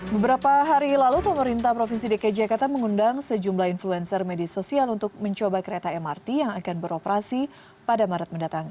beberapa hari lalu pemerintah provinsi dki jakarta mengundang sejumlah influencer media sosial untuk mencoba kereta mrt yang akan beroperasi pada maret mendatang